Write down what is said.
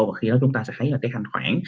và khi đó chúng ta sẽ thấy là cái thanh khoản